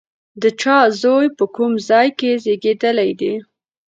د چا زوی، په کوم ځای کې زېږېدلی دی؟